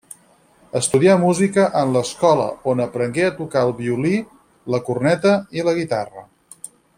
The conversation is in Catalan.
Estudià música en l'escola, on aprengué a tocar el violí, la corneta i la guitarra.